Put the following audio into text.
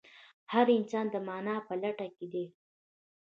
هر انسان د مانا په لټه کې دی.